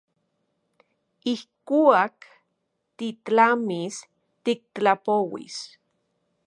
Ijkuak titlamis tiktlapouis.